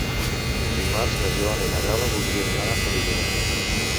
Dimarts na Joana i na Gal·la voldrien anar a Soriguera.